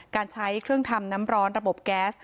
การใช้เครื่องทำน้ำร้อนระบบแก๊ส